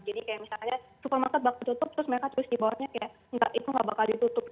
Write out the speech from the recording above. jadi kayak misalnya supermarket bakal ditutup terus mereka tulis di bawahnya kayak enggak itu gak bakal ditutup